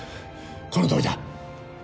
このとおりだ！